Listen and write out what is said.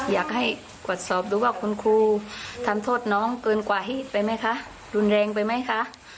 อยากให้กวดสอบดูว่าคุณครูทำโทษน้องเกินกว่าเหตุไปไหมคะรุนแรงไปไหมคะ